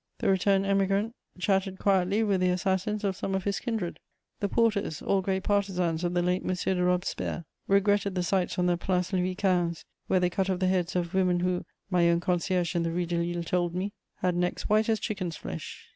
The returned Emigrant chatted quietly with the assassins of some of his kindred. The porters, all great partisans of the late M. de Robespierre, regretted the sights on the Place Louis XV., where they cut off the heads of "women who," my own concierge in the Rue de Lille told me, "had necks white as chicken's flesh."